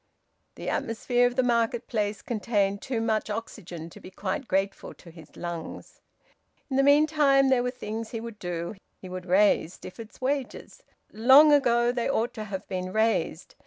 The atmosphere of the marketplace contained too much oxygen to be quite grateful to his lungs... In the meantime there were things he would do. He would raise Stifford's wages. Long ago they ought to have been raised.